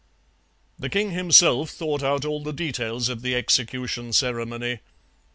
"The king himself thought out all the details of the execution ceremony.